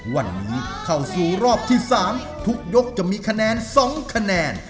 วันนี้เข้าสู่รอบที่๓ทุกยกจะมีคะแนน๒คะแนน